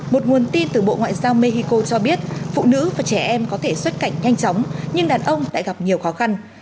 một nguồn tin từ bộ ngoại giao mexico cho biết phụ nữ và trẻ em có thể xuất cảnh nhanh chóng nhưng đàn ông lại gặp nhiều khó khăn